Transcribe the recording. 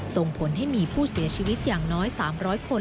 ส่งผลให้มีผู้เสียชีวิตอย่างน้อย๓๐๐คน